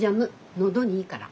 喉にいいから。